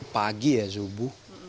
pagi ya subuh